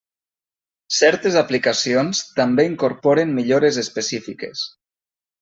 Certes aplicacions també incorporen millores específiques.